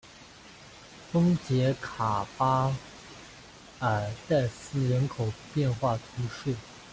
丰捷卡巴尔代斯人口变化图示